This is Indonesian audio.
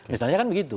misalnya kan begitu